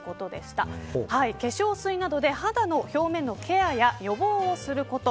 化粧水などで肌の表面のケアや予防をすること。